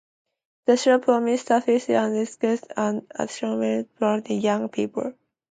The show promoted safety and ethics and action while empowering young people.